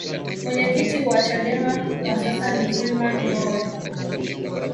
mwenyekiti wa chadema kwa sasa ni freeman mbowe